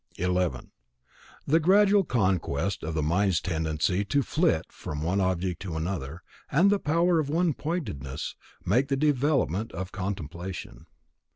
11. The gradual conquest of the mind's tendency to flit from one object to another, and the power of one pointedness, make the development of Contemplation.